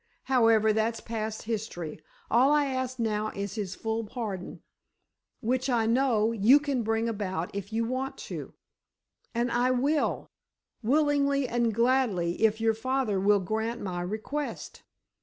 However, that's past history. All I ask now is his full pardon—which, I know, you can bring about if you want to." "And I will, willingly and gladly, if your father will grant my request."